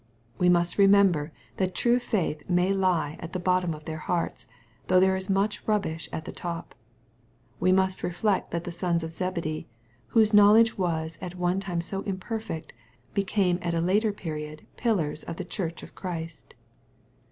We must remember that true faith may lie at the bottom of their hearts, though there is much rubbish at the top. We must refiect that the sons of Zebedee, whose know ledge was at one time so imperfect, became at a later period pillars of the Church of Christ.